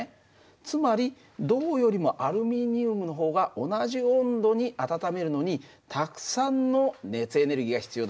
つまり銅よりもアルミニウムの方が同じ温度に温めるのにたくさんの熱エネルギーが必要だという事だね。